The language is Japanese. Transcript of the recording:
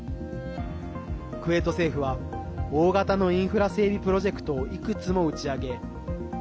クウェート政府は大型のインフラ整備プロジェクトをいくつも打ち上げ